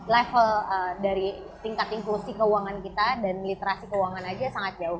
level dari tingkat inklusi keuangan kita dan literasi keuangan aja sangat jauh